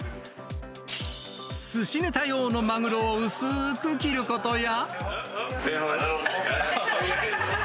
すしねた用のマグロを薄ーく切ることや。